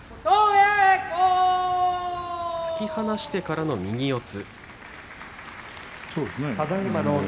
突き放してからの右四つ。